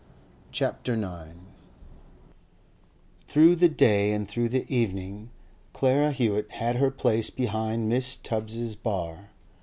CHAPTER IX PATHOLOGICAL Through the day and through the evening Clara Hewett had her place behind Mrs. Tubbs's bar.